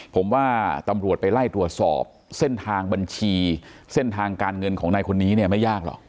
ผมว่าตำรวจไปไล่ตรวจสอบเส้นทางบัญชีเส้นทางการเงินของนายคนนี้เนี่ยไม่ยากหรอก